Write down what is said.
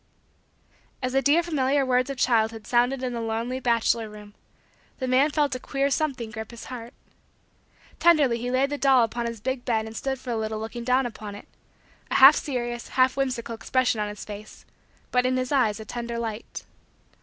As the dear familiar words of childhood sounded in the lonely bachelor room, the man felt a queer something grip his heart. Tenderly he laid the doll upon his big bed and stood for a little looking down upon it; a half serious, half whimsical, expression on his face but in his eyes a tender light.